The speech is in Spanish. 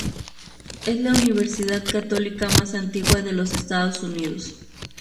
Es la universidad católica más antigua de los Estados Unidos.